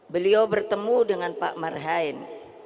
beliau bertemu dengan pak marhain